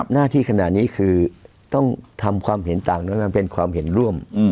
หน้าที่ขณะนี้คือต้องทำความเห็นต่างนั้นมันเป็นความเห็นร่วม